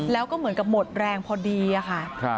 แล้วก็เหมือนกับหมดแรงพอดีค่ะ